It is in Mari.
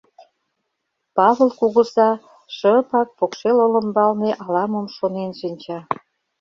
Павыл кугыза шыпак покшел олымбалне ала-мом шонен шинча.